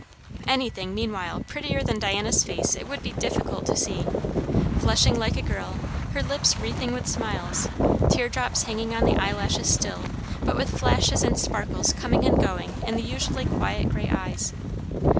Anything, meanwhile, prettier than Diana's face it would be difficult to see. Flushing like a girl, her lips wreathing with smiles, tear drops hanging on the eyelashes still, but with flashes and sparkles coming and going in the usually quiet grey eyes.